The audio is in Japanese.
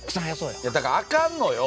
いやだからあかんのよ。